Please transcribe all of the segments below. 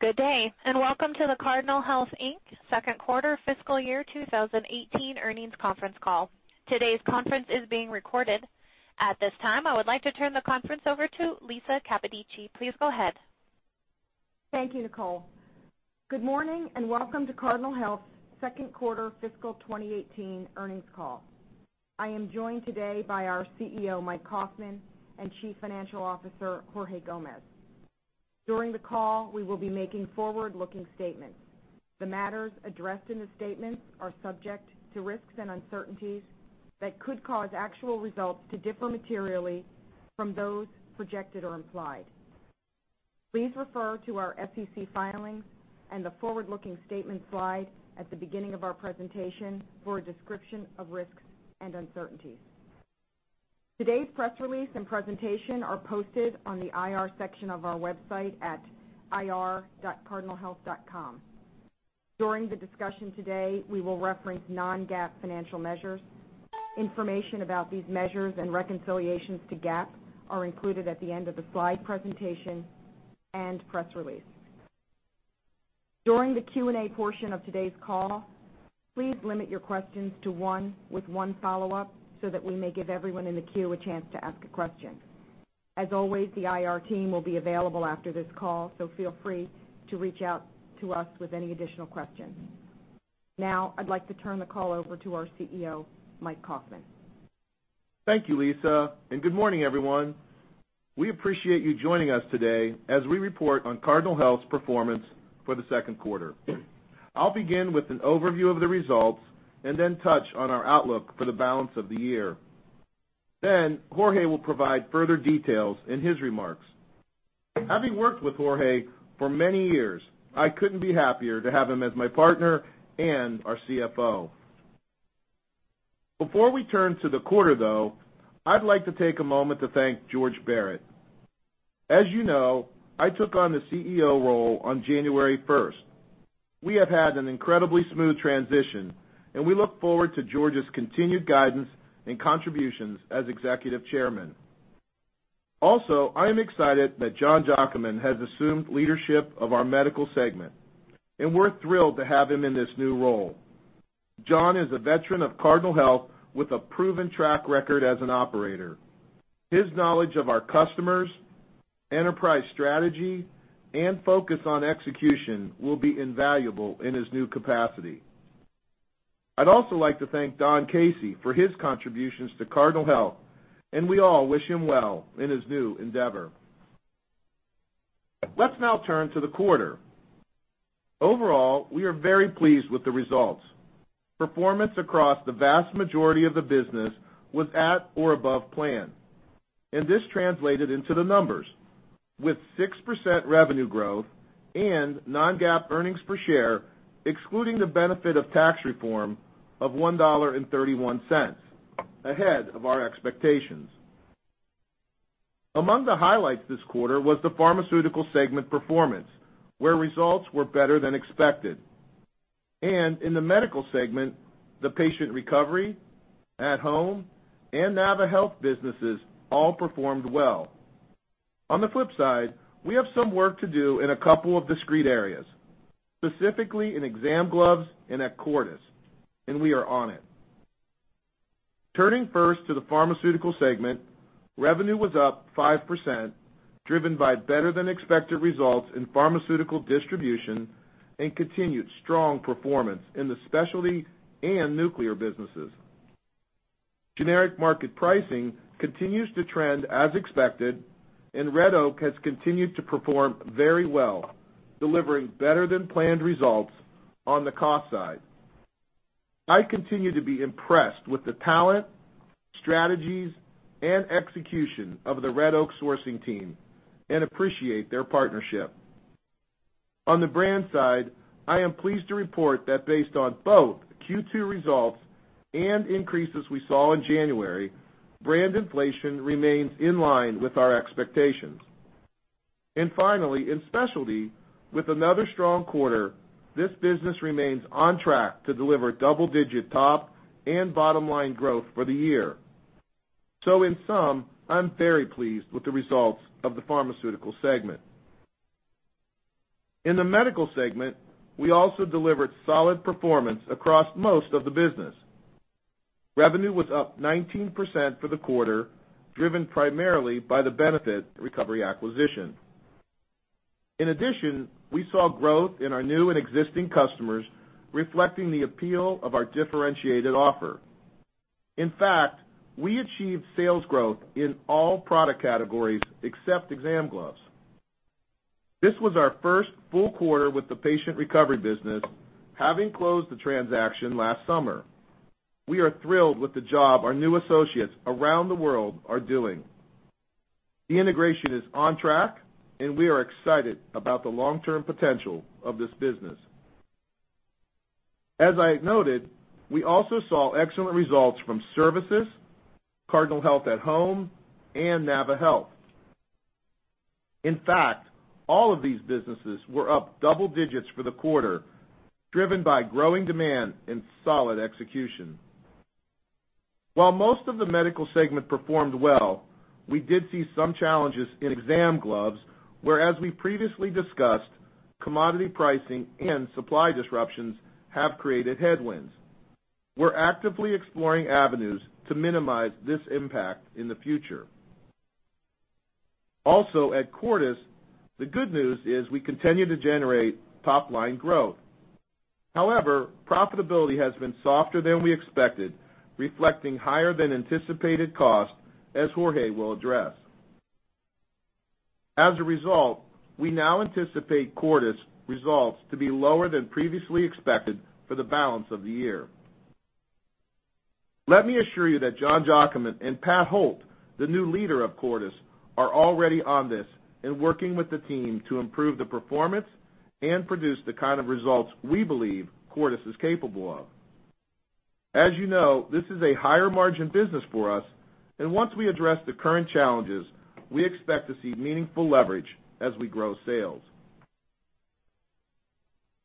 Good day. Welcome to the Cardinal Health Inc. second quarter fiscal year 2018 earnings conference call. Today's conference is being recorded. At this time, I would like to turn the conference over to Lisa Capodici. Please go ahead. Thank you, Nicole. Good morning. Welcome to Cardinal Health's second quarter fiscal 2018 earnings call. I am joined today by our CEO, Mike Kaufmann, and Chief Financial Officer, Jorge Gomez. During the call, we will be making forward-looking statements. The matters addressed in the statements are subject to risks and uncertainties that could cause actual results to differ materially from those projected or implied. Please refer to our SEC filings and the forward-looking statement slide at the beginning of our presentation for a description of risks and uncertainties. Today's press release and presentation are posted on the IR section of our website at ir.cardinalhealth.com. During the discussion today, we will reference non-GAAP financial measures. Information about these measures and reconciliations to GAAP are included at the end of the slide presentation and press release. During the Q&A portion of today's call, please limit your questions to one with one follow-up so that we may give everyone in the queue a chance to ask a question. As always, the IR team will be available after this call, so feel free to reach out to us with any additional questions. I'd like to turn the call over to our CEO, Mike Kaufmann. Thank you, Lisa. Good morning, everyone. We appreciate you joining us today as we report on Cardinal Health's performance for the second quarter. I'll begin with an overview of the results and then touch on our outlook for the balance of the year. Jorge will provide further details in his remarks. Having worked with Jorge for many years, I couldn't be happier to have him as my partner and our CFO. Before we turn to the quarter, though, I'd like to take a moment to thank George Barrett. As you know, I took on the CEO role on January 1st. We have had an incredibly smooth transition, and we look forward to George's continued guidance and contributions as executive chairman. Also, I am excited that Jon Giacomin has assumed leadership of our medical segment, and we're thrilled to have him in this new role. Jon is a veteran of Cardinal Health with a proven track record as an operator. His knowledge of our customers, enterprise strategy, and focus on execution will be invaluable in his new capacity. I'd also like to thank Don Casey for his contributions to Cardinal Health, and we all wish him well in his new endeavor. Let's now turn to the quarter. Overall, we are very pleased with the results. Performance across the vast majority of the business was at or above plan, and this translated into the numbers, with 6% revenue growth and non-GAAP earnings per share, excluding the benefit of tax reform of $1.31, ahead of our expectations. Among the highlights this quarter was the pharmaceutical segment performance, where results were better than expected. In the medical segment, the Patient Recovery at home and naviHealth businesses all performed well. On the flip side, we have some work to do in a couple of discrete areas, specifically in exam gloves and at Cordis, and we are on it. Turning first to the pharmaceutical segment, revenue was up 5%, driven by better-than-expected results in pharmaceutical distribution and continued strong performance in the specialty and nuclear businesses. Generic market pricing continues to trend as expected, Red Oak has continued to perform very well, delivering better than planned results on the cost side. I continue to be impressed with the talent, strategies, and execution of the Red Oak sourcing team and appreciate their partnership. On the brand side, I am pleased to report that based on both Q2 results and increases we saw in January, brand inflation remains in line with our expectations. Finally, in specialty, with another strong quarter, this business remains on track to deliver double-digit top and bottom-line growth for the year. In sum, I'm very pleased with the results of the pharmaceutical segment. In the medical segment, we also delivered solid performance across most of the business. Revenue was up 19% for the quarter, driven primarily by the Patient Recovery acquisition. In addition, we saw growth in our new and existing customers, reflecting the appeal of our differentiated offer. In fact, we achieved sales growth in all product categories except exam gloves. This was our first full quarter with the Patient Recovery Business, having closed the transaction last summer. We are thrilled with the job our new associates around the world are doing. The integration is on track, and we are excited about the long-term potential of this business. As I noted, we also saw excellent results from services, Cardinal Health at-Home, and naviHealth. In fact, all of these businesses were up double digits for the quarter, driven by growing demand and solid execution. While most of the Medical segment performed well, we did see some challenges in exam gloves, where as we previously discussed, commodity pricing and supply disruptions have created headwinds. We're actively exploring avenues to minimize this impact in the future. Also, at Cordis, the good news is we continue to generate top-line growth. However, profitability has been softer than we expected, reflecting higher than anticipated costs, as Jorge will address. As a result, we now anticipate Cordis results to be lower than previously expected for the balance of the year. Let me assure you that Jon Giacomin and Pat Holt, the new leader of Cordis, are already on this and working with the team to improve the performance and produce the kind of results we believe Cordis is capable of. As you know, this is a higher margin business for us, and once we address the current challenges, we expect to see meaningful leverage as we grow sales.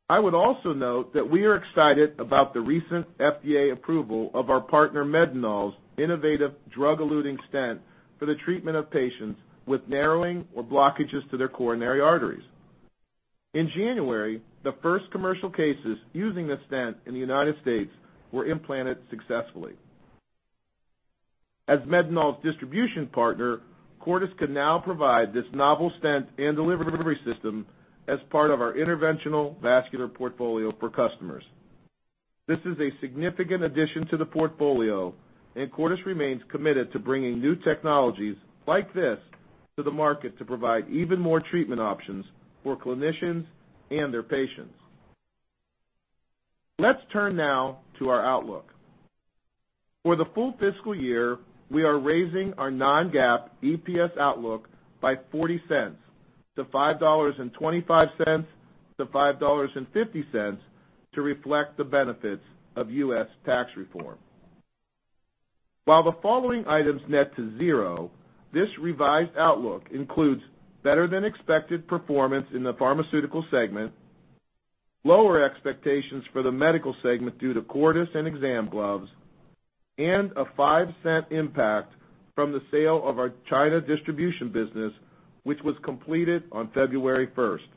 I would also note that we are excited about the recent FDA approval of our partner Medinol's innovative drug-eluting stent for the treatment of patients with narrowing or blockages to their coronary arteries. In January, the first commercial cases using the stent in the U.S. were implanted successfully. As Medinol's distribution partner, Cordis can now provide this novel stent and delivery system as part of our interventional vascular portfolio for customers. This is a significant addition to the portfolio, and Cordis remains committed to bringing new technologies like this to the market to provide even more treatment options for clinicians and their patients. Let's turn now to our outlook. For the full fiscal year, we are raising our non-GAAP EPS outlook by $0.40 to $5.25-$5.50 to reflect the benefits of U.S. tax reform. While the following items net to zero, this revised outlook includes better than expected performance in the Pharmaceutical Segment, lower expectations for the Medical Segment due to Cordis and exam gloves, and a $0.05 impact from the sale of our China Distribution Business, which was completed on February 1st.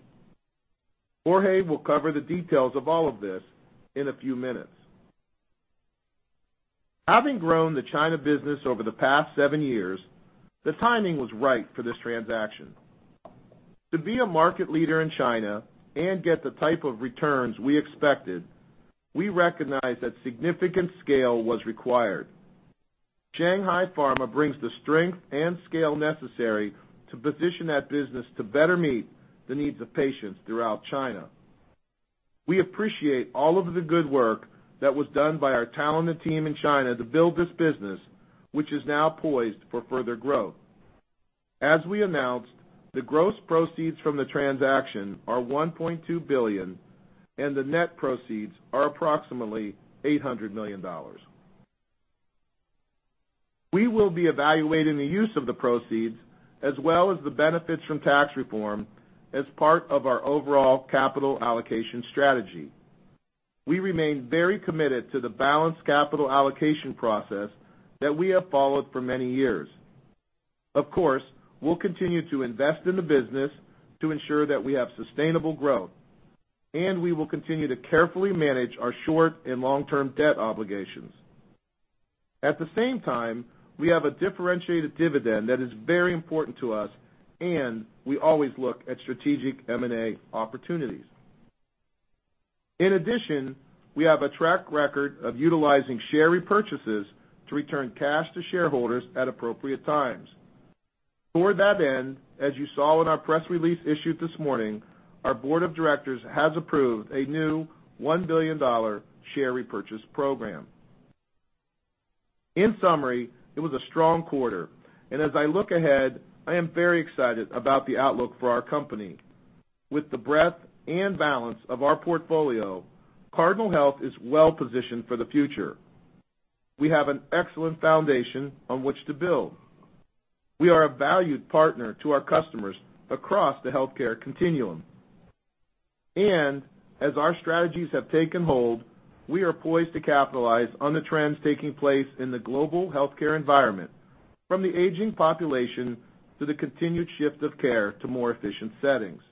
Jorge will cover the details of all of this in a few minutes. Having grown the China business over the past seven years, the timing was right for this transaction. To be a market leader in China and get the type of returns we expected, we recognized that significant scale was required. Shanghai Pharma brings the strength and scale necessary to position that business to better meet the needs of patients throughout China. We appreciate all of the good work that was done by our talented team in China to build this business, which is now poised for further growth. As we announced, the gross proceeds from the transaction are $1.2 billion, and the net proceeds are approximately $800 million. We will be evaluating the use of the proceeds as well as the benefits from tax reform as part of our overall capital allocation strategy. We remain very committed to the balanced capital allocation process that we have followed for many years. Of course, we'll continue to invest in the business to ensure that we have sustainable growth, and we will continue to carefully manage our short and long-term debt obligations. At the same time, we have a differentiated dividend that is very important to us, and we always look at strategic M&A opportunities. In addition, we have a track record of utilizing share repurchases to return cash to shareholders at appropriate times. Toward that end, as you saw in our press release issued this morning, our board of directors has approved a new $1 billion share repurchase program. In summary, it was a strong quarter, and as I look ahead, I am very excited about the outlook for our company. With the breadth and balance of our portfolio, Cardinal Health is well-positioned for the future. We have an excellent foundation on which to build. We are a valued partner to our customers across the healthcare continuum. As our strategies have taken hold, we are poised to capitalize on the trends taking place in the global healthcare environment, from the aging population to the continued shift of care to more efficient settings.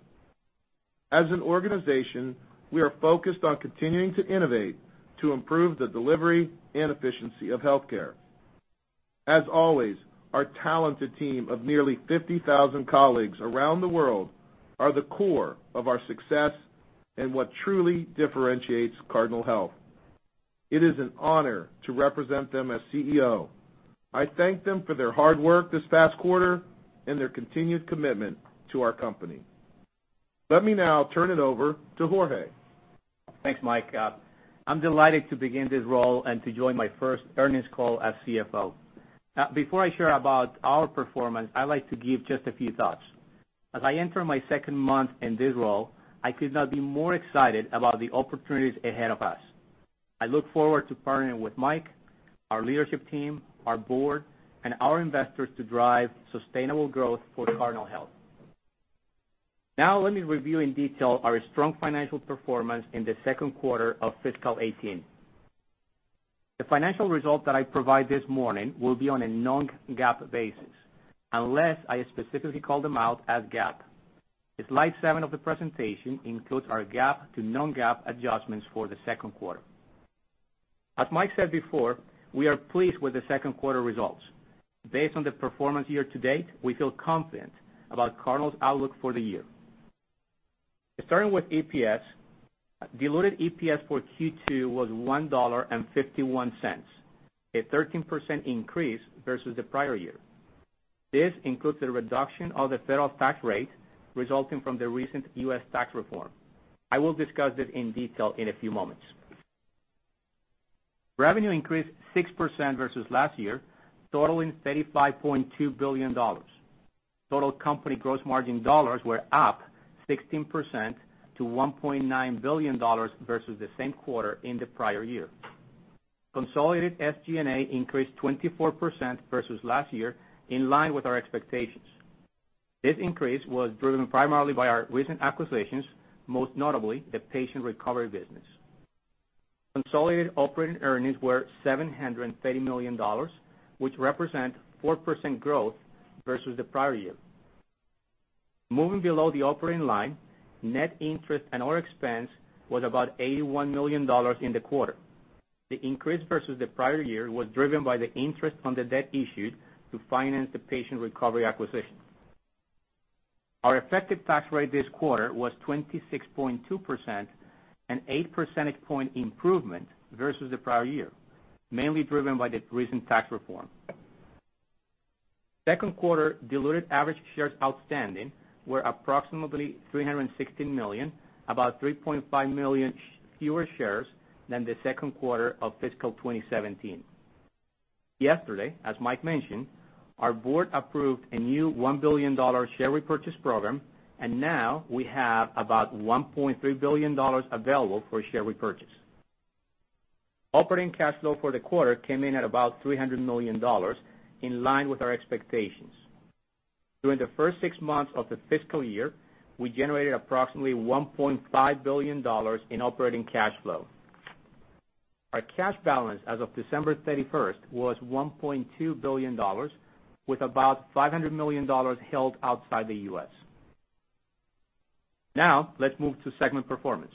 As an organization, we are focused on continuing to innovate to improve the delivery and efficiency of healthcare. As always, our talented team of nearly 50,000 colleagues around the world are the core of our success and what truly differentiates Cardinal Health. It is an honor to represent them as CEO. I thank them for their hard work this past quarter and their continued commitment to our company. Let me now turn it over to Jorge. Thanks, Mike. I'm delighted to begin this role and to join my first earnings call as CFO. Before I share about our performance, I'd like to give just a few thoughts. As I enter my second month in this role, I could not be more excited about the opportunities ahead of us. I look forward to partnering with Mike, our leadership team, our board, and our investors to drive sustainable growth for Cardinal Health. Now let me review in detail our strong financial performance in the second quarter of fiscal 2018. The financial results that I provide this morning will be on a non-GAAP basis, unless I specifically call them out as GAAP. Slide seven of the presentation includes our GAAP to non-GAAP adjustments for the second quarter. As Mike said before, we are pleased with the second quarter results. Based on the performance year to date, we feel confident about Cardinal's outlook for the year. Starting with EPS, diluted EPS for Q2 was $1.51, a 13% increase versus the prior year. This includes the reduction of the federal tax rate resulting from the recent U.S. tax reform. I will discuss this in detail in a few moments. Revenue increased 6% versus last year, totaling $35.2 billion. Total company gross margin dollars were up 16% to $1.9 billion versus the same quarter in the prior year. Consolidated SG&A increased 24% versus last year, in line with our expectations. This increase was driven primarily by our recent acquisitions, most notably the Patient Recovery business. Consolidated operating earnings were $730 million, which represent 4% growth versus the prior year. Moving below the operating line, net interest and other expense was about $81 million in the quarter. The increase versus the prior year was driven by the interest on the debt issued to finance the Patient Recovery acquisition. Our effective tax rate this quarter was 26.2%, an eight percentage point improvement versus the prior year, mainly driven by the recent tax reform. Second quarter diluted average shares outstanding were approximately 316 million, about 3.5 million fewer shares than the second quarter of fiscal 2017. Yesterday, as Mike mentioned, our board approved a new $1 billion share repurchase program, and now we have about $1.3 billion available for share repurchase. Operating cash flow for the quarter came in at about $300 million, in line with our expectations. During the first six months of the fiscal year, we generated approximately $1.5 billion in operating cash flow. Our cash balance as of December 31st was $1.2 billion, with about $500 million held outside the U.S. Now, let's move to segment performance.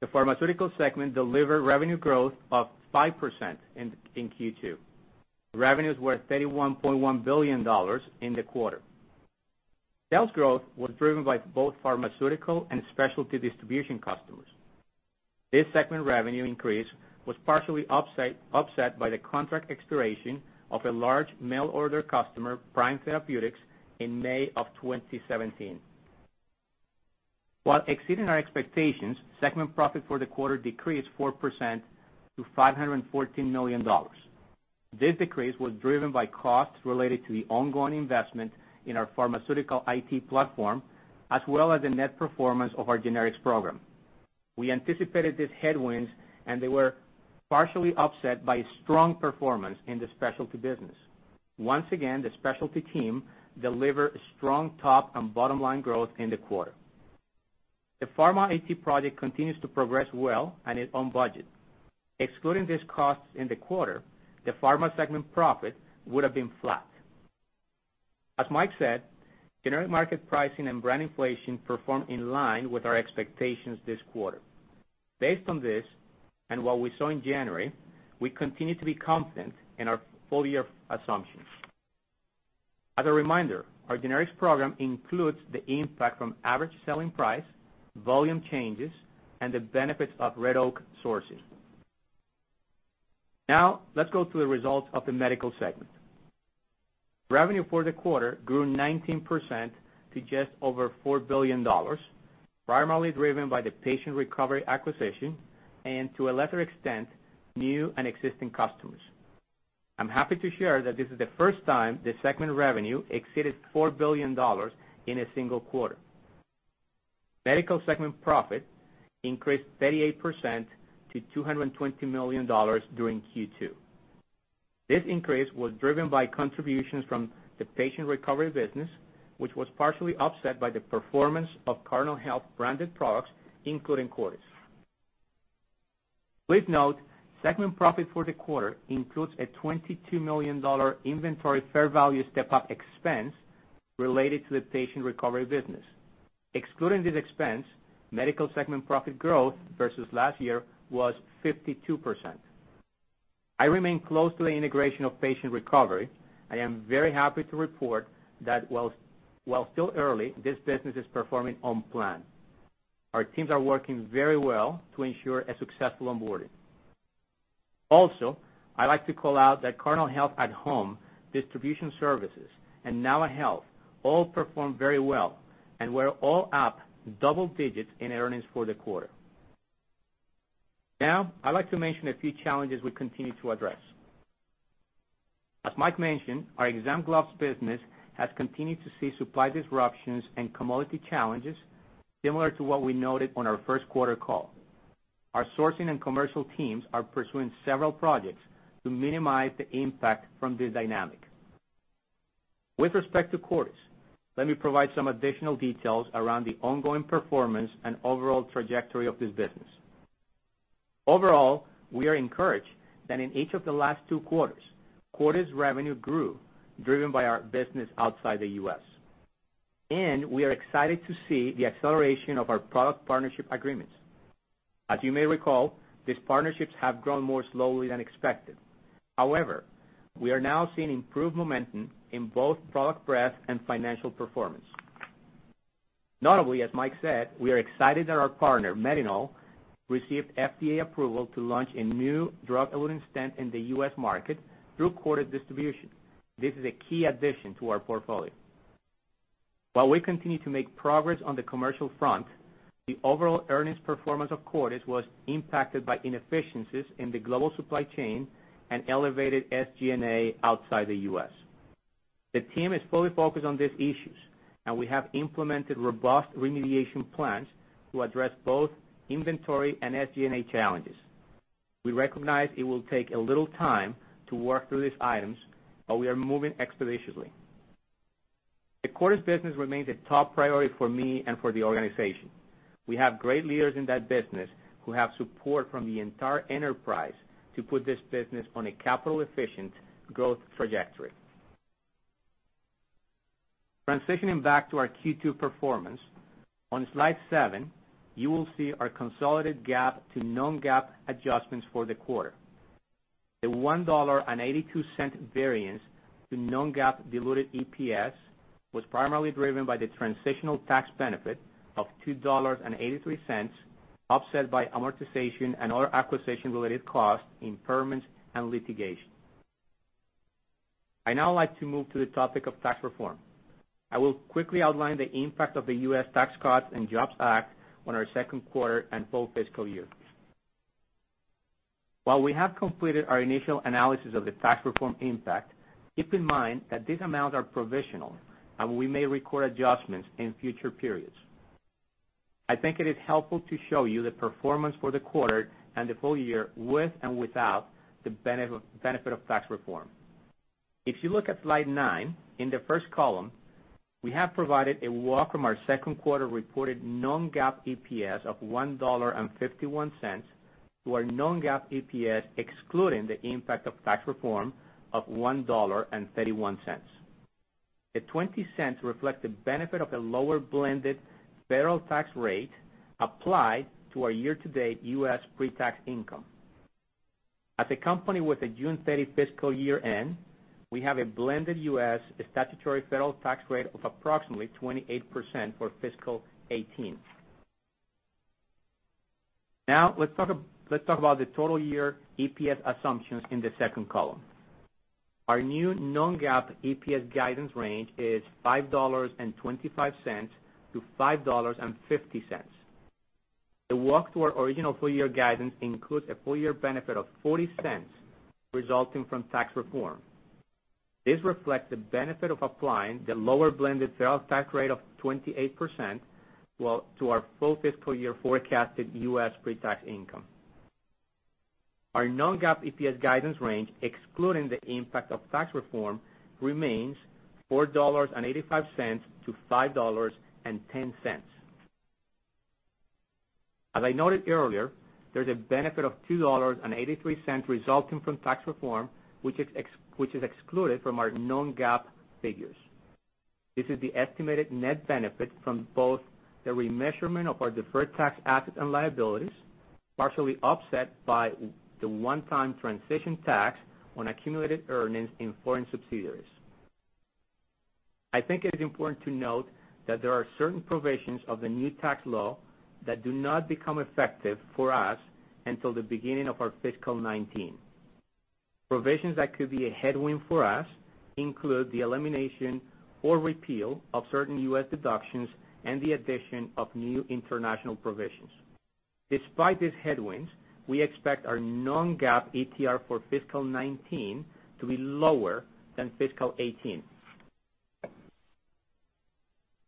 The pharmaceutical segment delivered revenue growth of 5% in Q2. Revenues were $31.1 billion in the quarter. Sales growth was driven by both pharmaceutical and specialty distribution customers. This segment revenue increase was partially offset by the contract expiration of a large mail order customer, Prime Therapeutics, in May of 2017. While exceeding our expectations, segment profit for the quarter decreased 4% to $514 million. This decrease was driven by costs related to the ongoing investment in our pharmaceutical IT platform, as well as the net performance of our generics program. We anticipated these headwinds, they were partially offset by strong performance in the specialty business. Once again, the specialty team delivered strong top and bottom-line growth in the quarter. The pharma IT project continues to progress well and is on budget. Excluding these costs in the quarter, the pharma segment profit would have been flat. As Mike said, generic market pricing and brand inflation performed in line with our expectations this quarter. Based on this, what we saw in January, we continue to be confident in our full-year assumptions. As a reminder, our generics program includes the impact from average selling price, volume changes, and the benefits of Red Oak Sourcing. Now, let's go to the results of the medical segment. Revenue for the quarter grew 19% to just over $4 billion, primarily driven by the Patient Recovery acquisition and, to a lesser extent, new and existing customers. I'm happy to share that this is the first time the segment revenue exceeded $4 billion in a single quarter. Medical segment profit increased 38% to $220 million during Q2. This increase was driven by contributions from the Patient Recovery business, which was partially offset by the performance of Cardinal Health branded products, including Cordis. Please note, segment profit for the quarter includes a $22 million inventory fair value step-up expense related to the Patient Recovery business. Excluding this expense, medical segment profit growth versus last year was 52%. I remain close to the integration of Patient Recovery. I am very happy to report that while still early, this business is performing on plan. Our teams are working very well to ensure a successful onboarding. I'd like to call out that Cardinal Health at Home Distribution Services, and naviHealth all performed very well and were all up double digits in earnings for the quarter. Now, I'd like to mention a few challenges we continue to address. As Mike mentioned, our exam gloves business has continued to see supply disruptions and commodity challenges similar to what we noted on our first quarter call. Our sourcing and commercial teams are pursuing several projects to minimize the impact from this dynamic. With respect to Cordis, let me provide some additional details around the ongoing performance and overall trajectory of this business. Overall, we are encouraged that in each of the last two quarters, Cordis revenue grew, driven by our business outside the U.S. We are excited to see the acceleration of our product partnership agreements. As you may recall, these partnerships have grown more slowly than expected. However, we are now seeing improved momentum in both product breadth and financial performance. Notably, as Mike said, we are excited that our partner, Medinol, received FDA approval to launch a new drug-eluting stent in the U.S. market through Cordis distribution. This is a key addition to our portfolio. While we continue to make progress on the commercial front, the overall earnings performance of Cordis was impacted by inefficiencies in the global supply chain and elevated SG&A outside the U.S. The team is fully focused on these issues, and we have implemented robust remediation plans to address both inventory and SG&A challenges. We recognize it will take a little time to work through these items, but we are moving expeditiously. The Cordis business remains a top priority for me and for the organization. We have great leaders in that business who have support from the entire enterprise to put this business on a capital-efficient growth trajectory. Transitioning back to our Q2 performance, on slide seven, you will see our consolidated GAAP to non-GAAP adjustments for the quarter. The $1.82 variance to non-GAAP diluted EPS was primarily driven by the transitional tax benefit of $2.83, offset by amortization and other acquisition-related costs, impairments, and litigation. I'd now like to move to the topic of tax reform. I will quickly outline the impact of the U.S. Tax Cuts and Jobs Act on our second quarter and full fiscal years. While we have completed our initial analysis of the tax reform impact, keep in mind that these amounts are provisional, and we may record adjustments in future periods. I think it is helpful to show you the performance for the quarter and the full year with and without the benefit of tax reform. If you look at slide nine, in the first column, we have provided a walk from our second quarter reported non-GAAP EPS of $1.51 to our non-GAAP EPS, excluding the impact of tax reform of $1.31. The $0.20 reflect the benefit of a lower blended federal tax rate applied to our year-to-date U.S. pre-tax income. As a company with a June 30 fiscal year end, we have a blended U.S. statutory federal tax rate of approximately 28% for fiscal 2018. Now, let's talk about the total year EPS assumptions in the second column. Our new non-GAAP EPS guidance range is $5.25-$5.50. The walk to our original full-year guidance includes a full-year benefit of $0.40 resulting from tax reform. This reflects the benefit of applying the lower blended federal tax rate of 28% to our full fiscal year forecasted U.S. pre-tax income. Our non-GAAP EPS guidance range, excluding the impact of tax reform, remains $4.85-$5.10. As I noted earlier, there's a benefit of $2.83 resulting from tax reform, which is excluded from our non-GAAP figures. This is the estimated net benefit from both the remeasurement of our deferred tax assets and liabilities, partially offset by the one-time transition tax on accumulated earnings in foreign subsidiaries. I think it is important to note that there are certain provisions of the new tax law that do not become effective for us until the beginning of our fiscal 2019. Provisions that could be a headwind for us include the elimination or repeal of certain U.S. deductions and the addition of new international provisions. Despite these headwinds, we expect our non-GAAP ETR for fiscal 2019 to be lower than fiscal 2018.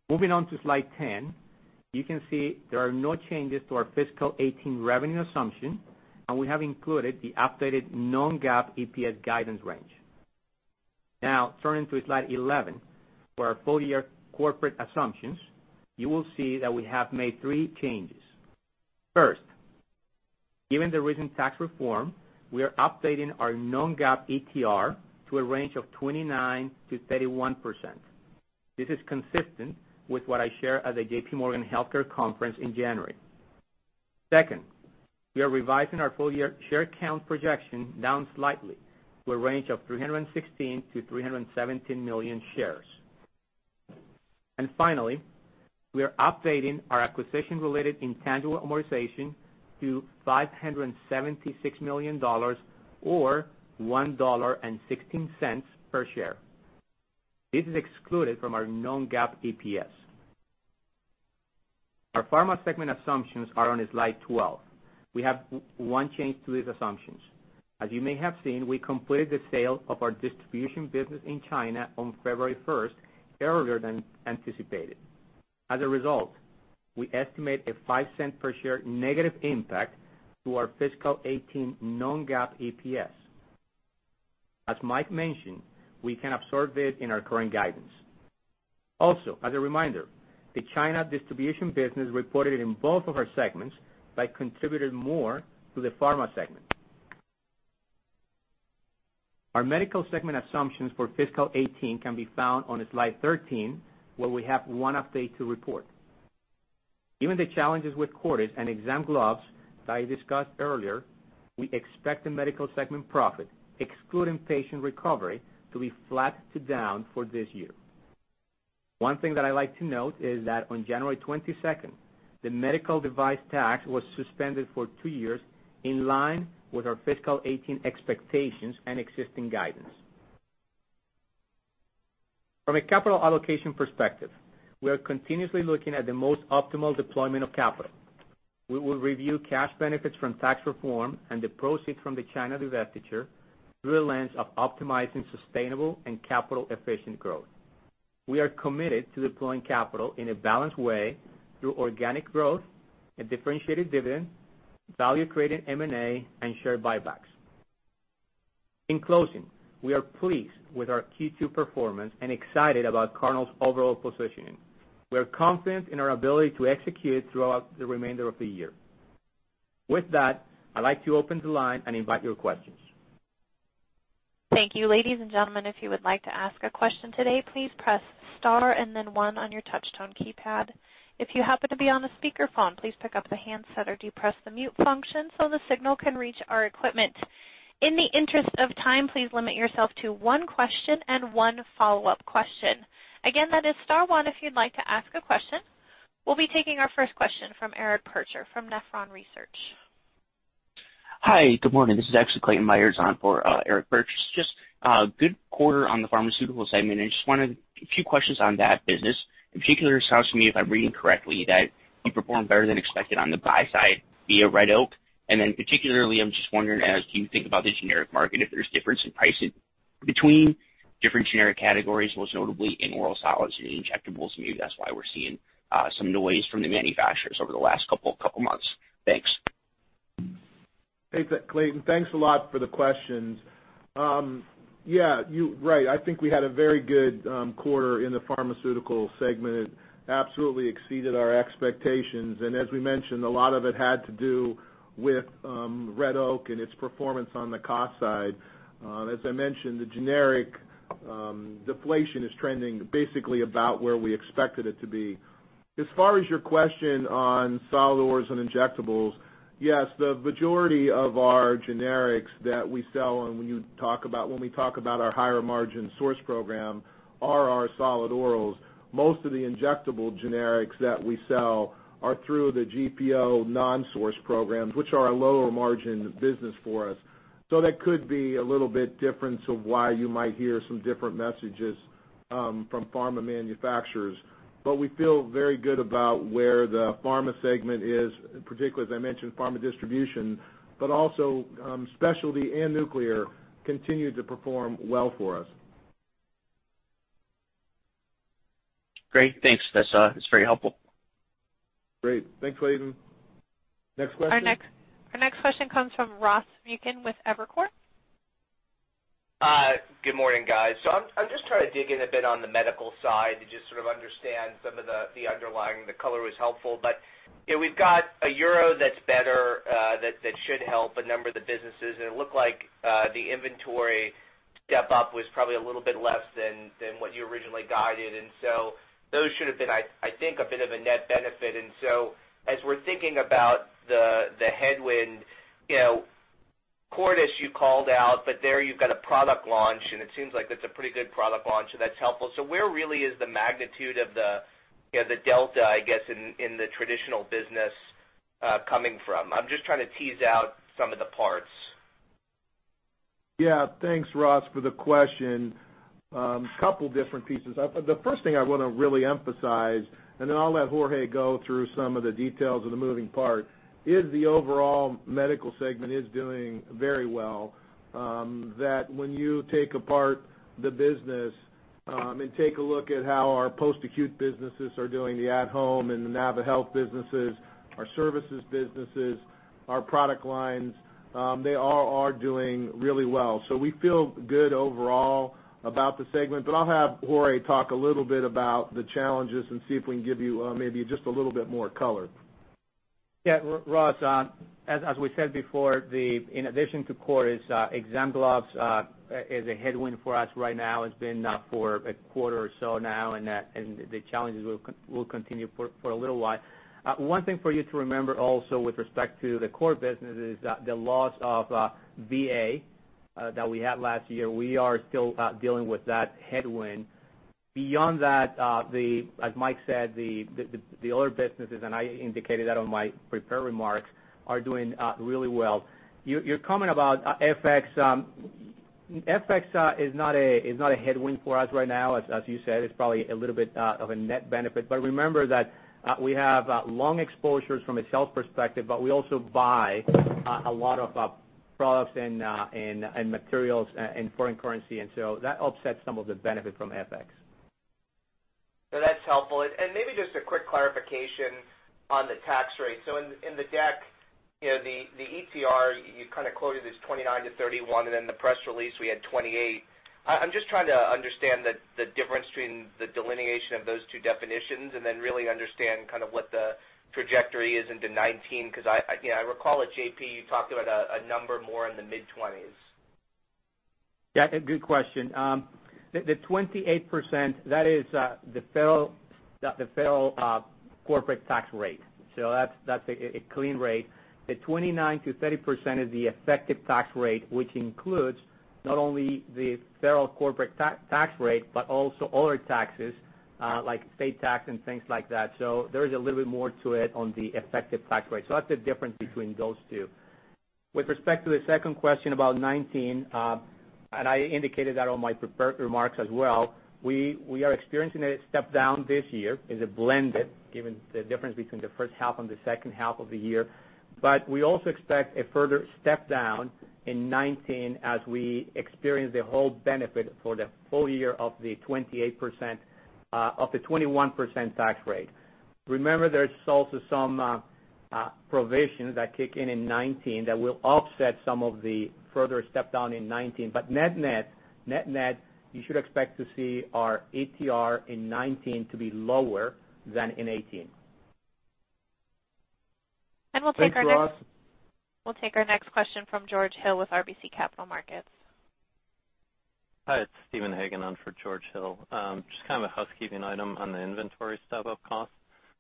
Moving on to slide 10, you can see there are no changes to our fiscal 2018 revenue assumption, and we have included the updated non-GAAP EPS guidance range. Now, turning to slide 11, for our full-year corporate assumptions, you will see that we have made three changes. First, given the recent tax reform, we are updating our non-GAAP ETR to a range of 29%-31%. This is consistent with what I shared at the J.P. Morgan Healthcare Conference in January. Second, we are revising our full-year share count projection down slightly to a range of 316 million-317 million shares. Finally, we are updating our acquisition-related intangible amortization to $576 million, or $1.16 per share. This is excluded from our non-GAAP EPS. Our pharma segment assumptions are on slide 12. We have one change to these assumptions. As you may have seen, we completed the sale of our distribution business in China on February 1st, earlier than anticipated. As a result, we estimate a $0.05 per share negative impact to our fiscal 2018 non-GAAP EPS. As Mike mentioned, we can absorb this in our current guidance. As a reminder, the China distribution business reported in both of our segments, but contributed more to the pharma segment. Our medical segment assumptions for fiscal 2018 can be found on slide 13, where we have one update to report. Given the challenges with Cordis and exam gloves that I discussed earlier, we expect the medical segment profit, excluding Patient Recovery, to be flat to down for this year. One thing that I like to note is that on January 22nd, the medical device tax was suspended for two years, in line with our fiscal 2018 expectations and existing guidance. From a capital allocation perspective, we are continuously looking at the most optimal deployment of capital. We will review cash benefits from tax reform and the proceeds from the China divestiture through a lens of optimizing sustainable and capital-efficient growth. We are committed to deploying capital in a balanced way through organic growth, a differentiated dividend, value-creating M&A, and share buybacks. In closing, we are pleased with our Q2 performance and excited about Cardinal's overall positioning. We are confident in our ability to execute throughout the remainder of the year. With that, I'd like to open the line and invite your questions. Thank you. Ladies and gentlemen, if you would like to ask a question today, please press star and then one on your touchtone keypad. If you happen to be on a speakerphone, please pick up the handset or depress the mute function so the signal can reach our equipment. In the interest of time, please limit yourself to one question and one follow-up question. Again, that is star one if you'd like to ask a question. We will be taking our first question from Eric Percher from Nephron Research. Hi, good morning. This is actually Clayton Meyers on for Eric Percher. Just a good quarter on the pharmaceutical segment. Just wanted a few questions on that business. In particular, it sounds to me, if I'm reading correctly, that you performed better than expected on the buy side via Red Oak. Particularly, I'm just wondering, as you think about the generic market, if there's difference in pricing between different generic categories, most notably in oral solids and injectables, maybe that's why we're seeing some noise from the manufacturers over the last couple of months. Thanks. Clayton, thanks a lot for the questions. Yeah, you're right. I think we had a very good quarter in the pharmaceutical segment. It absolutely exceeded our expectations. As we mentioned, a lot of it had to do with Red Oak and its performance on the cost side. As I mentioned, the generic deflation is trending basically about where we expected it to be. As far as your question on solid orals and injectables, yes, the majority of our generics that we sell, and when we talk about our higher margin source program, are our solid orals. Most of the injectable generics that we sell are through the GPO non-source programs, which are a lower margin business for us. That could be a little bit difference of why you might hear some different messages from pharma manufacturers. We feel very good about where the pharma segment is, particularly, as I mentioned, pharma distribution, but also specialty and nuclear continue to perform well for us. Great. Thanks. That's very helpful. Great. Thanks, Clayton. Next question. Our next question comes from Ross Muken with Evercore. Good morning, guys. I'm just trying to dig in a bit on the medical side to just sort of understand some of the underlying. The color was helpful. We've got a euro that's better, that should help a number of the businesses. It looked like the inventory step-up was probably a little bit less than what you originally guided. Those should have been, I think, a bit of a net benefit. As we're thinking about the headwind, Cordis you called out, but there you've got a product launch, and it seems like that's a pretty good product launch, so that's helpful. Where really is the magnitude of the delta, I guess, in the traditional business coming from? I'm just trying to tease out some of the parts. Yeah. Thanks, Ross, for the question. Couple different pieces. The first thing I want to really emphasize, then I'll let Jorge go through some of the details of the moving parts, is the overall medical segment is doing very well, that when you take apart the business and take a look at how our post-acute businesses are doing, the At Home and the naviHealth businesses, our services businesses, our product lines, they all are doing really well. We feel good overall about the segment. I'll have Jorge talk a little bit about the challenges and see if we can give you maybe just a little bit more color. Yeah, Ross, as we said before, in addition to Cordis, exam gloves is a headwind for us right now, has been for a quarter or so now, and the challenges will continue for a little while. One thing for you to remember also with respect to the core business is the loss of VA that we had last year. We are still dealing with that headwind. Beyond that, as Mike said, the other businesses, and I indicated that on my prepared remarks, are doing really well. Your comment about FX is not a headwind for us right now. As you said, it's probably a little bit of a net benefit. Remember that we have long exposures from a sales perspective, but we also buy a lot of products and materials in foreign currency. So that offsets some of the benefit from FX. That's helpful. Maybe just a quick clarification on the tax rate. In the deck, the ETR, you quoted as 29%-31%, and then in the press release, we had 28%. I'm just trying to understand the difference between the delineation of those two definitions and then really understand what the trajectory is into 2019, because I recall at JP, you talked about a number more in the mid-20s. Yeah. Good question. The 28%, that is the federal corporate tax rate. That's a clean rate. The 29%-30% is the effective tax rate, which includes not only the federal corporate tax rate, but also other taxes, like state tax and things like that. There is a little bit more to it on the effective tax rate. That's the difference between those two. With respect to the second question about 2019, I indicated that on my prepared remarks as well, we are experiencing a step-down this year. It's blended, given the difference between the first half and the second half of the year. We also expect a further step-down in 2019, as we experience the whole benefit for the full year of the 21% tax rate. Remember, there's also some provisions that kick in in 2019 that will offset some of the further step-down in 2019. Net net, you should expect to see our ETR in 2019 to be lower than in 2018. Thanks, Ross. We'll take our next question from George Hill with RBC Capital Markets. Hi, it's Steven Hagen on for George Hill. Just a housekeeping item on the inventory step-up cost.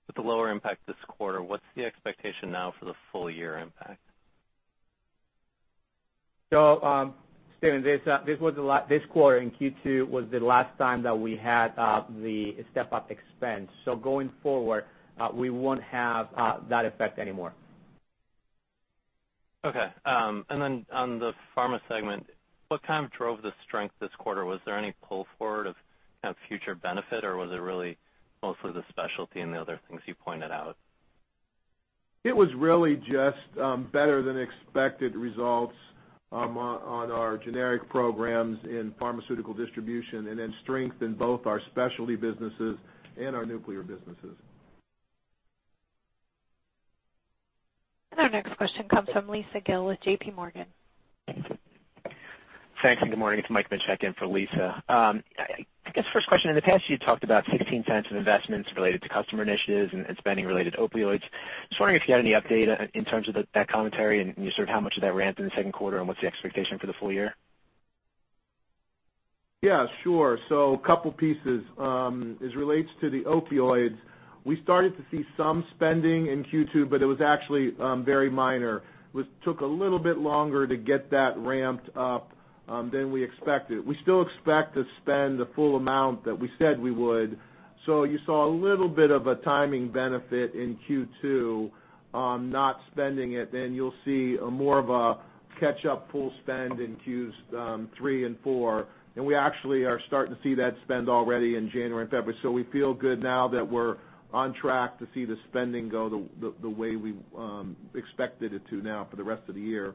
With the lower impact this quarter, what's the expectation now for the full-year impact? Steven, this quarter, in Q2, was the last time that we had the step-up expense. Going forward, we won't have that effect anymore. Okay. On the pharma segment, what drove the strength this quarter? Was there any pull-forward of future benefit, or was it really mostly the specialty and the other things you pointed out? It was really just better than expected results on our generic programs in pharmaceutical distribution and in strength in both our specialty businesses and our nuclear businesses. Our next question comes from Lisa Gill with JPMorgan. Thanks, and good morning. It's Mike Micek in for Lisa. I guess first question, in the past, you talked about $0.16 of investments related to customer initiatives and spending related to opioids. Just wondering if you had any update in terms of that commentary and how much of that ramped in the second quarter and what's the expectation for the full year? Sure. A couple pieces. As it relates to the opioids, we started to see some spending in Q2, but it was actually very minor. It took a little bit longer to get that ramped up than we expected. We still expect to spend the full amount that we said we would. You saw a little bit of a timing benefit in Q2 on not spending it, then you'll see more of a catch-up pool spend in Q3 and 4. We actually are starting to see that spend already in January and February. We feel good now that we're on track to see the spending go the way we expected it to now for the rest of the year.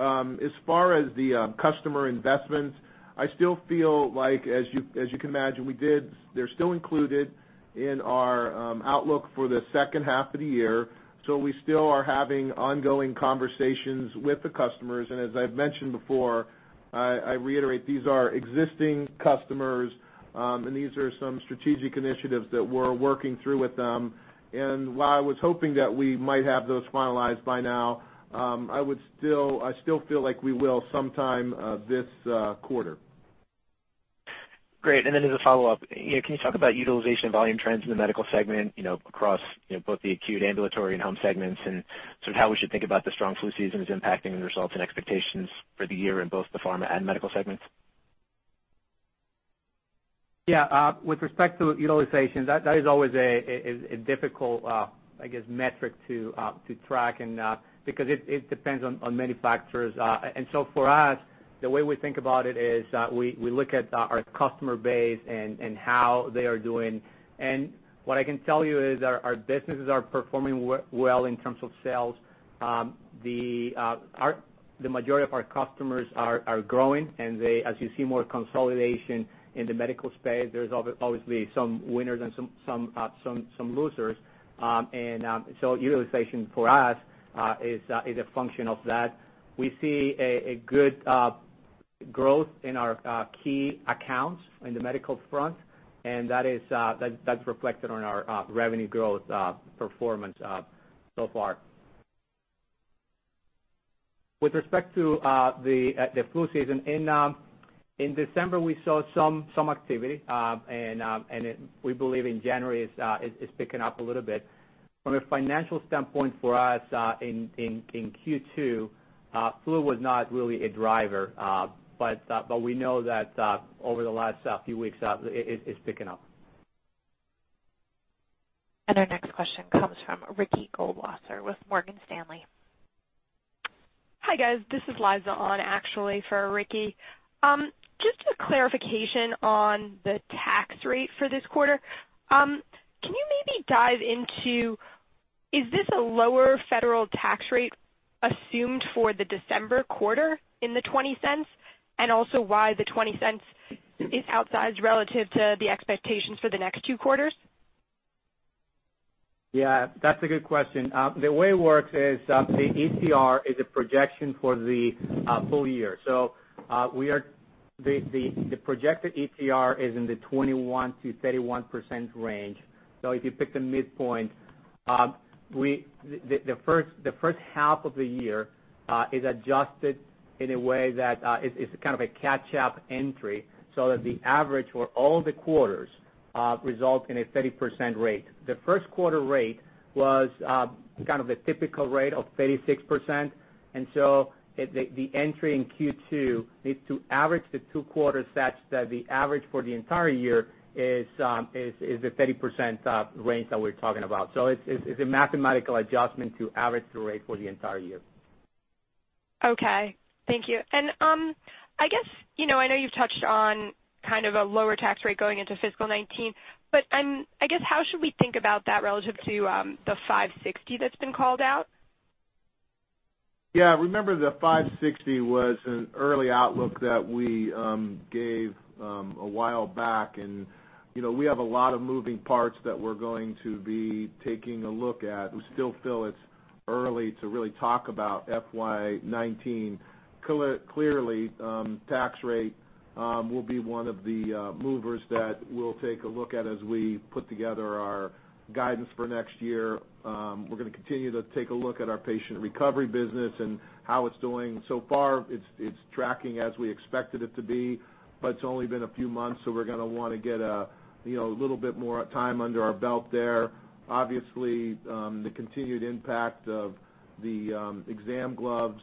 As far as the customer investments, I still feel like, as you can imagine, they're still included in our outlook for the second half of the year. We still are having ongoing conversations with the customers, and as I've mentioned before, I reiterate, these are existing customers, and these are some strategic initiatives that we're working through with them. While I was hoping that we might have those finalized by now, I still feel like we will sometime this quarter. Great. Then as a follow-up, can you talk about utilization volume trends in the medical segment, across both the acute ambulatory and home segments and how we should think about the strong flu season is impacting the results and expectations for the year in both the pharma and medical segments? With respect to utilization, that is always a difficult metric to track, because it depends on many factors. For us, the way we think about it is, we look at our customer base and how they are doing. What I can tell you is our businesses are performing well in terms of sales. The majority of our customers are growing, and as you see more consolidation in the medical space, there's obviously some winners and some losers. Utilization for us is a function of that. We see a good growth in our key accounts in the medical front, and that's reflected on our revenue growth performance so far. With respect to the flu season, in December, we saw some activity, and we believe in January it's picking up a little bit. From a financial standpoint for us in Q2, flu was not really a driver, but we know that over the last few weeks, it's picking up. Our next question comes from Ricky Goldwasser with Morgan Stanley. Hi, guys. This is Liza on actually for Ricky. Just a clarification on the tax rate for this quarter. Can you maybe dive into, is this a lower federal tax rate assumed for the December quarter in the $0.20? Also why the $0.20 is outsized relative to the expectations for the next two quarters? Yeah, that's a good question. The way it works is the ETR is a projection for the full year. The projected ETR is in the 21%-31% range. If you pick the midpoint, the first half of the year is adjusted in a way that it's kind of a catch-up entry so that the average for all the quarters results in a 30% rate. The first quarter rate was kind of the typical rate of 36%. The entry in Q2 needs to average the two quarters such that the average for the entire year is the 30% range that we're talking about. It's a mathematical adjustment to average the rate for the entire year. Okay. Thank you. I know you've touched on kind of a lower tax rate going into FY 2019, how should we think about that relative to the 560 that's been called out? Yeah, remember the 560 was an early outlook that we gave a while back, we have a lot of moving parts that we're going to be taking a look at. We still feel it's early to really talk about FY 2019. Clearly, tax rate will be one of the movers that we'll take a look at as we put together our guidance for next year. We're going to continue to take a look at our Patient Recovery Business and how it's doing. So far it's tracking as we expected it to be, but it's only been a few months, so we're going to want to get a little bit more time under our belt there. Obviously, the continued impact of the exam gloves,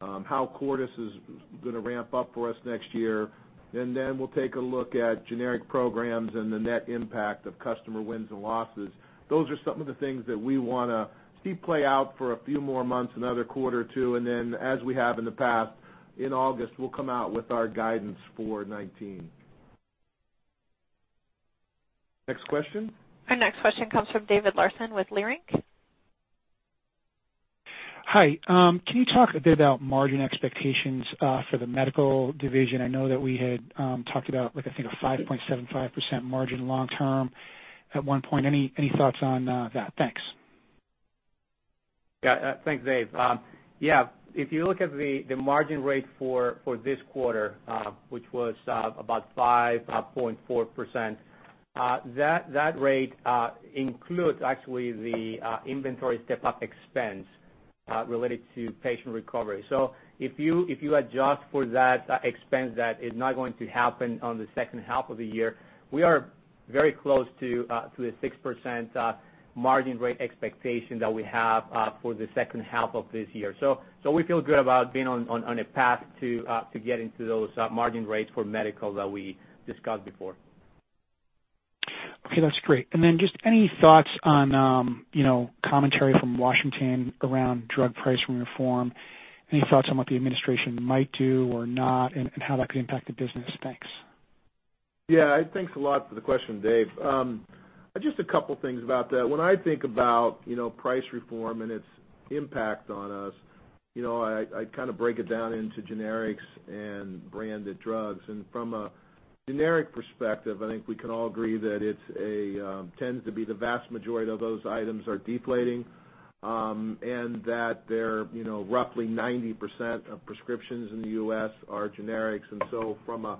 how Cordis is going to ramp up for us next year, we'll take a look at generic programs and the net impact of customer wins and losses. Those are some of the things that we want to see play out for a few more months, another quarter or two, as we have in the past, in August, we'll come out with our guidance for 2019. Next question. Our next question comes from David Larsen with Leerink. Hi. Can you talk a bit about margin expectations for the medical division? I know that we had talked about, I think, a 5.75% margin long term at one point. Any thoughts on that? Thanks. Thanks, Dave. If you look at the margin rate for this quarter, which was about 5.4%, that rate includes actually the inventory step-up expense related to Patient Recovery. If you adjust for that expense that is not going to happen on the second half of the year, we are very close to a 6% margin rate expectation that we have for the second half of this year. We feel good about being on a path to getting to those margin rates for medical that we discussed before. Okay, that's great. Just any thoughts on commentary from Washington around drug pricing reform? Any thoughts on what the administration might do or not and how that could impact the business? Thanks. Thanks a lot for the question, Dave. Just a couple things about that. When I think about price reform and its impact on us, I kind of break it down into generics and branded drugs. From a generic perspective, I think we can all agree that it tends to be the vast majority of those items are deflating, and that roughly 90% of prescriptions in the U.S. are generics. From a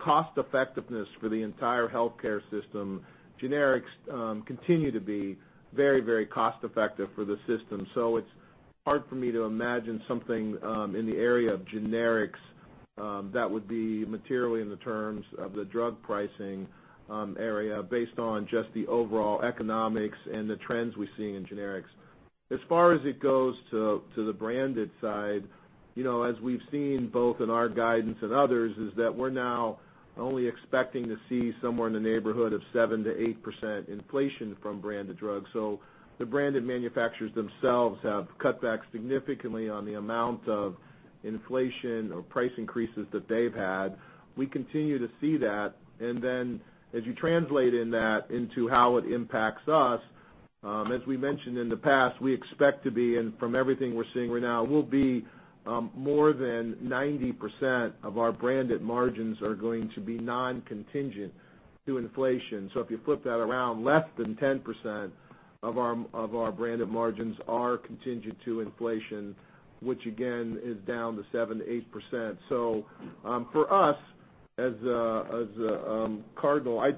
cost-effectiveness for the entire healthcare system, generics continue to be very cost-effective for the system. It's hard for me to imagine something in the area of generics that would be materially in the terms of the drug pricing area based on just the overall economics and the trends we're seeing in generics. As far as it goes to the branded side, as we've seen both in our guidance and others, is that we're now only expecting to see somewhere in the neighborhood of 7%-8% inflation from branded drugs. The branded manufacturers themselves have cut back significantly on the amount of inflation or price increases that they've had. Then as you translate in that into how it impacts us, as we mentioned in the past, we expect to be in, from everything we're seeing right now, will be more than 90% of our branded margins are going to be non-contingent to inflation. If you flip that around, less than 10% of our branded margins are contingent to inflation, which again is down to 7%-8%. For us as Cardinal, I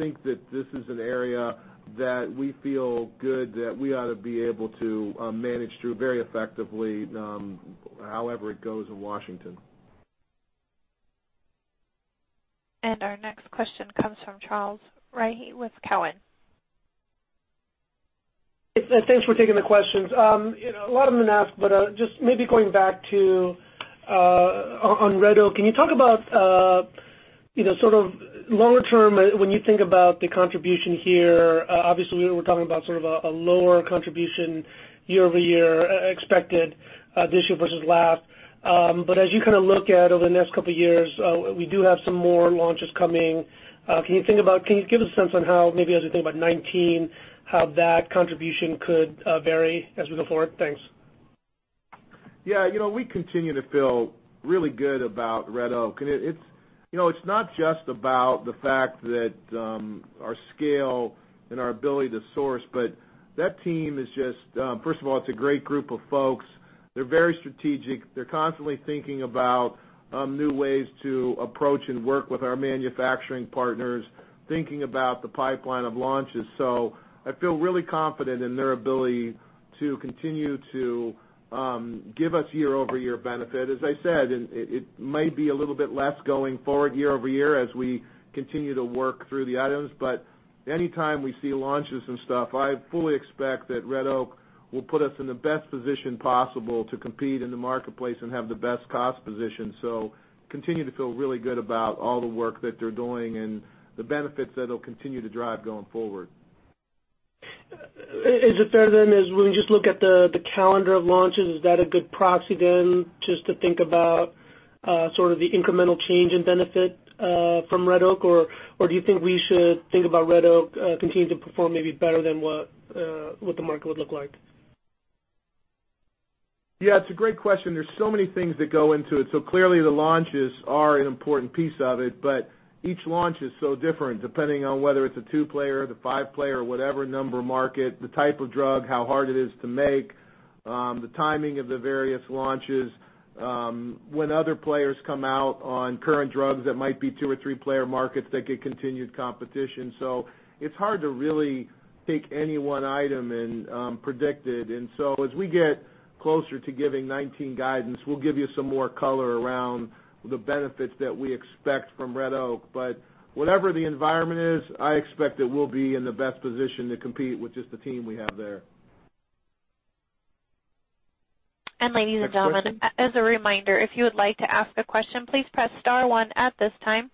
think that this is an area that we feel good that we ought to be able to manage through very effectively however it goes in Washington. Our next question comes from Charles Rhyee with Cowen. Thanks for taking the questions. A lot of them have been asked, just maybe going back to on Red Oak, can you talk about sort of longer term when you think about the contribution here? Obviously, we're talking about sort of a lower contribution year-over-year expected this year versus last. As you kind of look at over the next couple of years, we do have some more launches coming. Can you give us a sense on how, maybe as we think about 2019, how that contribution could vary as we go forward? Thanks. Yeah. It's not just about the fact that our scale and our ability to source, that team, first of all, it's a great group of folks. They're very strategic. They're constantly thinking about new ways to approach and work with our manufacturing partners, thinking about the pipeline of launches. I feel really confident in their ability to continue to give us year-over-year benefit. As I said, it might be a little bit less going forward year-over-year as we continue to work through the items. Anytime we see launches and stuff, I fully expect that Red Oak will put us in the best position possible to compete in the marketplace and have the best cost position. Continue to feel really good about all the work that they're doing and the benefits that it'll continue to drive going forward. Is it fair then, as when we just look at the calendar of launches, is that a good proxy then, just to think about sort of the incremental change in benefit from Red Oak? Do you think we should think about Red Oak continuing to perform maybe better than what the market would look like? Yeah, it's a great question. There's so many things that go into it. Clearly the launches are an important piece of it, each launch is so different depending on whether it's a two-player, five-player, whatever number market, the type of drug, how hard it is to make, the timing of the various launches, when other players come out on current drugs that might be two- or three-player markets that get continued competition. It's hard to really take any one item and predict it. As we get closer to giving 2019 guidance, we'll give you some more color around the benefits that we expect from Red Oak. Whatever the environment is, I expect that we'll be in the best position to compete with just the team we have there. Ladies and gentlemen, as a reminder, if you would like to ask a question, please press star one at this time.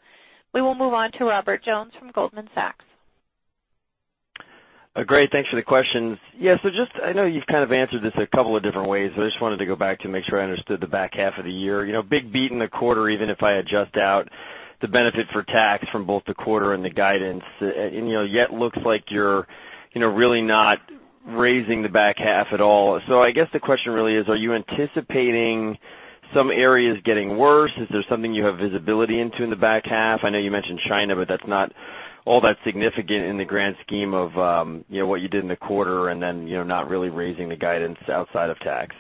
We will move on to Robert Jones from Goldman Sachs. Great, thanks for the question. I know you've kind of answered this a couple of different ways, but I just wanted to go back to make sure I understood the back half of the year. Big beat in the quarter, even if I adjust out the benefit for tax from both the quarter and the guidance, and yet looks like you're really not raising the back half at all. I guess the question really is, are you anticipating some areas getting worse? Is there something you have visibility into in the back half? I know you mentioned China, but that's not all that significant in the grand scheme of what you did in the quarter and then not really raising the guidance outside of tax.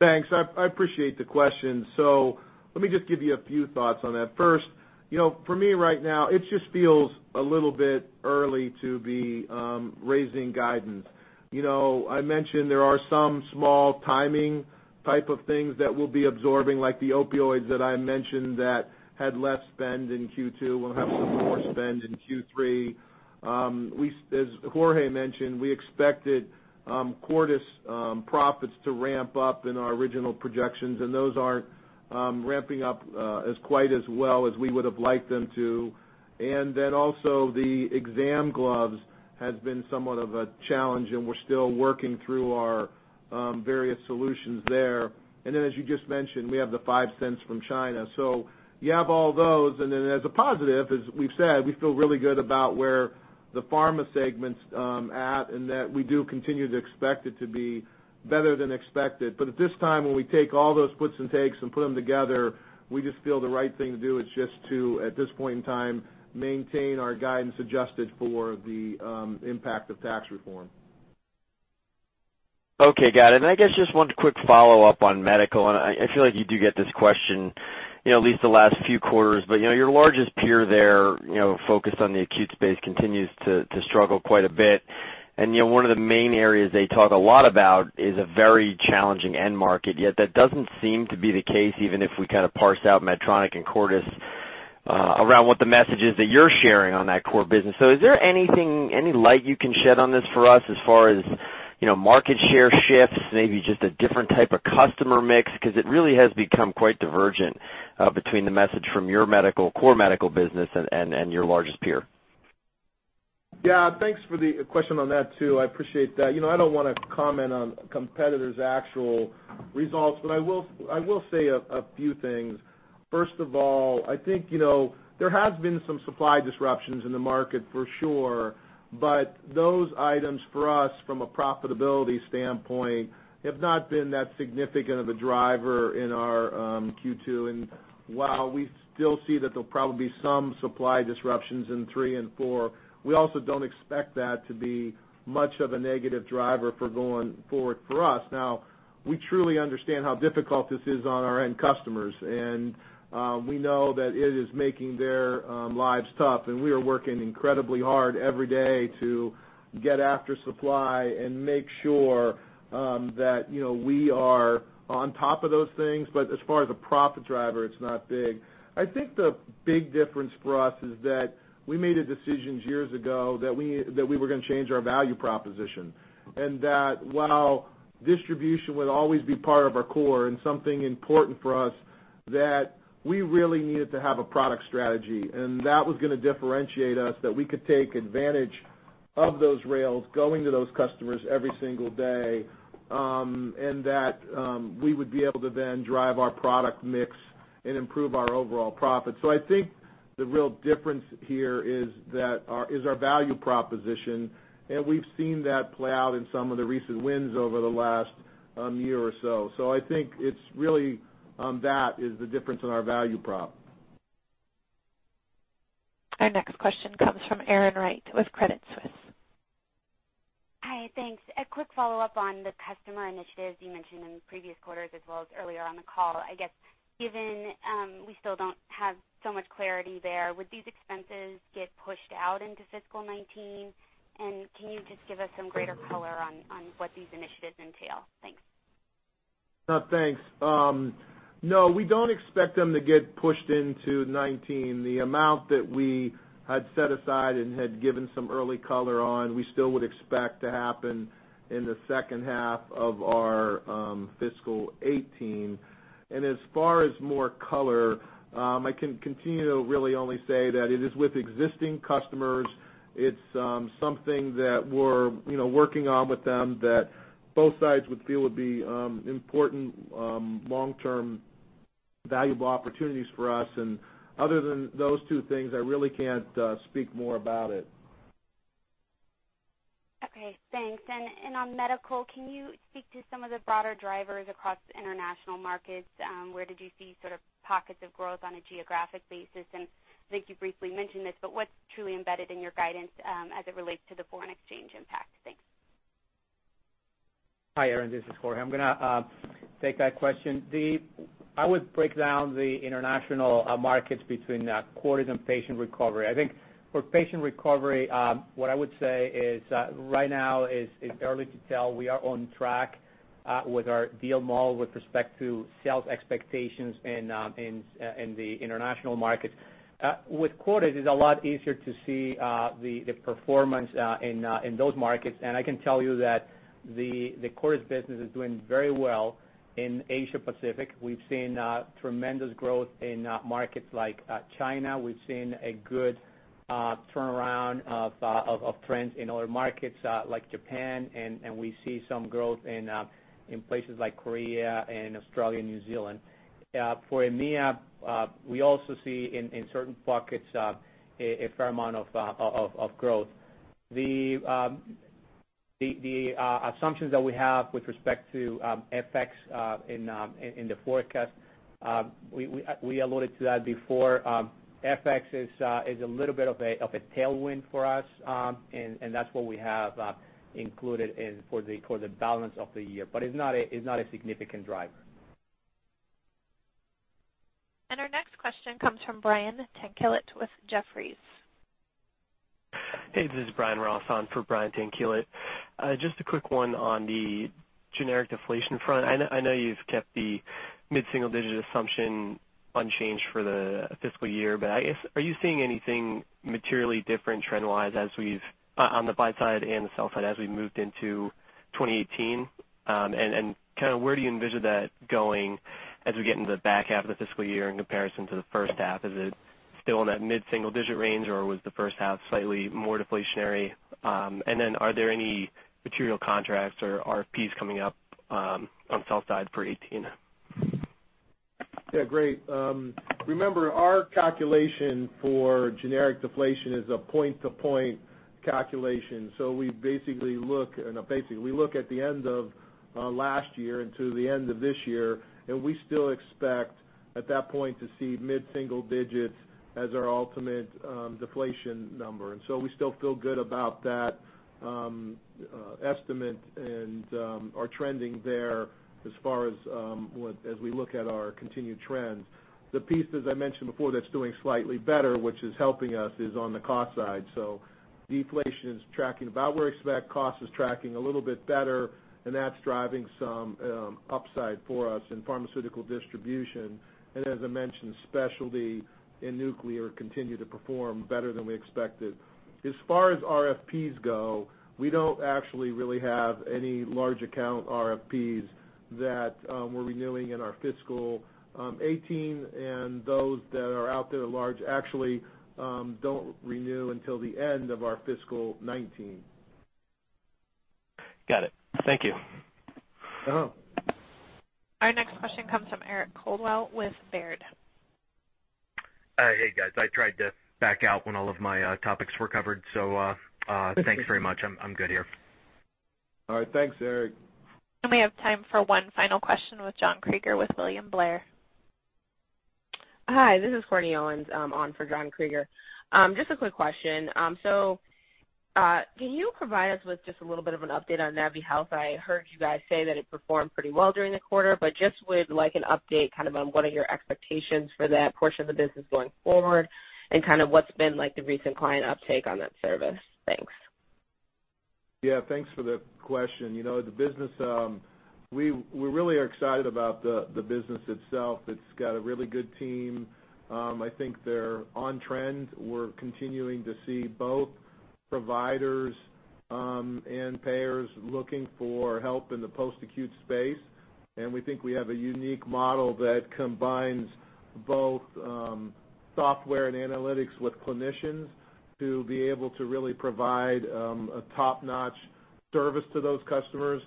Thanks. I appreciate the question. Let me just give you a few thoughts on that. First, for me right now, it just feels a little bit early to be raising guidance. I mentioned there are some small timing type of things that we'll be absorbing, like the opioids that I mentioned that had less spend in Q2, will have some more spend in Q3. As Jorge mentioned, we expected Cordis profits to ramp up in our original projections, and those aren't ramping up as quite as well as we would have liked them to. Also the exam gloves has been somewhat of a challenge, and we're still working through our various solutions there. As you just mentioned, we have the $0.05 from China. You have all those, as a positive, as we've said, we feel really good about where the pharma segment's at and that we do continue to expect it to be better than expected. At this time, when we take all those puts and takes and put them together, we just feel the right thing to do is just to, at this point in time, maintain our guidance adjusted for the impact of tax reform. Okay, got it. I guess just one quick follow-up on medical, I feel like you do get this question at least the last few Cordis, but your largest peer there focused on the acute space continues to struggle quite a bit. One of the main areas they talk a lot about is a very challenging end market, yet that doesn't seem to be the case, even if we kind of parsed out Medtronic and Cordis around what the message is that you're sharing on that core business. Is there any light you can shed on this for us as far as market share shifts, maybe just a different type of customer mix? Because it really has become quite divergent between the message from your core medical business and your largest peer. Thanks for the question on that too. I appreciate that. I don't want to comment on competitors' actual results, but I will say a few things. First of all, I think there has been some supply disruptions in the market for sure, but those items for us from a profitability standpoint have not been that significant of a driver in our Q2. While we still see that there'll probably be some supply disruptions in 3 and 4, we also don't expect that to be much of a negative driver for going forward for us. We truly understand how difficult this is on our end customers, and we know that it is making their lives tough, and we are working incredibly hard every day to get after supply and make sure that we are on top of those things. As far as a profit driver, it's not big. I think the big difference for us is that we made a decision years ago that we were going to change our value proposition, that while distribution will always be part of our core and something important for us that we really needed to have a product strategy, that was going to differentiate us, that we could take advantage of those rails going to those customers every single day, and that we would be able to then drive our product mix and improve our overall profit. I think the real difference here is our value proposition, and we've seen that play out in some of the recent wins over the last year or so. I think it's really that is the difference in our value prop. Our next question comes from Erin Wright with Credit Suisse. Hi. Thanks. A quick follow-up on the customer initiatives you mentioned in previous Cordis as well as earlier on the call. I guess given we still don't have so much clarity there, would these expenses get pushed out into fiscal 2019? Can you just give us some greater color on what these initiatives entail? Thanks. Thanks. No, we don't expect them to get pushed into 2019. The amount that we had set aside and had given some early color on, we still would expect to happen in the second half of our fiscal 2018. As far as more color, I can continue to really only say that it is with existing customers. It's something that we're working on with them that both sides would feel would be important, long-term, valuable opportunities for us. Other than those two things, I really can't speak more about it. Okay, thanks. On medical, can you speak to some of the broader drivers across international markets? Where did you see sort of pockets of growth on a geographic basis? I think you briefly mentioned this, but what's truly embedded in your guidance as it relates to the foreign exchange impact? Thanks. Hi, Erin. This is Jorge. I'm going to take that question. I would break down the international markets between Cordis and Patient Recovery. I think for Patient Recovery, what I would say is, right now it's early to tell. We are on track with our deal model with respect to sales expectations in the international markets. With Cordis, it's a lot easier to see the performance in those markets. I can tell you that the Cordis business is doing very well in Asia-Pacific. We've seen tremendous growth in markets like China. We've seen a good turnaround of trends in other markets like Japan, and we see some growth in places like Korea and Australia, New Zealand. For EMEA, we also see in certain pockets, a fair amount of growth. The assumptions that we have with respect to FX in the forecast, we alluded to that before. FX is a little bit of a tailwind for us, that's what we have included for the balance of the year. It's not a significant driver. Our next question comes from Brian Tanquilut with Jefferies. Hey, this is Brian Ross on for Brian Tanquilut. Just a quick one on the generic deflation front. I know you've kept the mid-single-digit assumption unchanged for the fiscal year, are you seeing anything materially different trend-wise on the buy side and the sell side as we've moved into 2018? Where do you envision that going as we get into the back half of the fiscal year in comparison to the first half? Is it still in that mid-single-digit range, or was the first half slightly more deflationary? Then are there any material contracts or RFPs coming up on sell side for 2018? Yeah. Great. Remember, our calculation for generic deflation is a point-to-point calculation. We look at the end of last year until the end of this year, we still expect at that point to see mid-single-digits as our ultimate deflation number. We still feel good about that estimate and our trending there as we look at our continued trends. The piece, as I mentioned before, that's doing slightly better, which is helping us, is on the cost side. Deflation is tracking about where we expect. Cost is tracking a little bit better, that's driving some upside for us in pharmaceutical distribution. As I mentioned, specialty and nuclear continue to perform better than we expected. As far as RFPs go, we don't actually really have any large account RFPs that we're renewing in our fiscal 2018, and those that are out there large actually don't renew until the end of our fiscal 2019. Got it. Thank you. Our next question comes from Eric Coldwell with Baird. Hey, guys. I tried to back out when all of my topics were covered. Thanks very much. I'm good here. All right. Thanks, Eric. We have time for one final question with John Kreger with William Blair. Hi, this is Courtney Owens on for John Kreger. Just a quick question. Can you provide us with just a little bit of an update on naviHealth? I heard you guys say that it performed pretty well during the quarter, but just with an update on what are your expectations for that portion of the business going forward and what's been the recent client uptake on that service. Thanks. Thanks for the question. We really are excited about the business itself. It's got a really good team. I think they're on trend. We're continuing to see both providers and payers looking for help in the post-acute space, and we think we have a unique model that combines both software and analytics with clinicians to be able to really provide a top-notch service to those customers.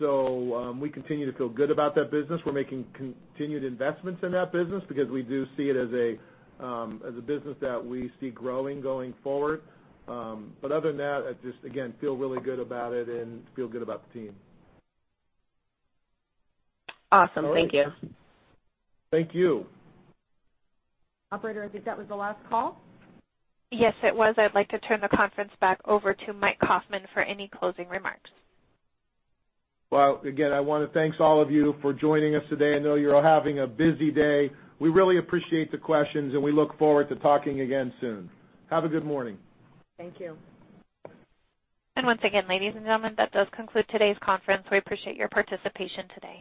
We continue to feel good about that business. We're making continued investments in that business because we do see it as a business that we see growing going forward. Other than that, I just, again, feel really good about it and feel good about the team. Awesome. Thank you. Thank you. Operator, I think that was the last call. Yes, it was. I'd like to turn the conference back over to Mike Kaufmann for any closing remarks. Well, again, I want to thanks all of you for joining us today. I know you're all having a busy day. We really appreciate the questions, and we look forward to talking again soon. Have a good morning. Thank you. Once again, ladies and gentlemen, that does conclude today's conference. We appreciate your participation today.